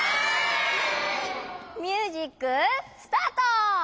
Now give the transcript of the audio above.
ミュージックスタート！